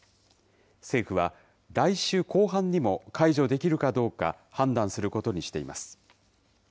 政府は来週後半にも、解除できるかどうか、判断することにしています。